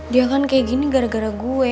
dia kan kayak gini gara gara gue